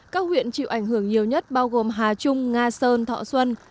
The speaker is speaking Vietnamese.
các huyện chịu ảnh hưởng nhiều nhất bao gồm hà trung nga sơn thọ xuân